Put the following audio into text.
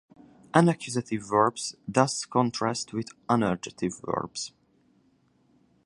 Unaccusative verbs thus contrast with unergative verbs.